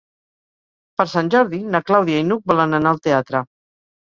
Per Sant Jordi na Clàudia i n'Hug volen anar al teatre.